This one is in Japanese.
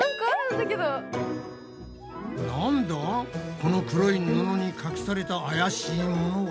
この黒い布に隠された怪しいものは。